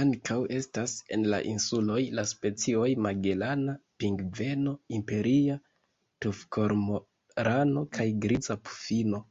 Ankaŭ estas en la insuloj la specioj Magelana pingveno, Imperia tufkormorano kaj Griza pufino.